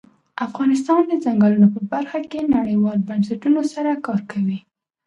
افغانستان د ځنګلونه په برخه کې نړیوالو بنسټونو سره کار کوي.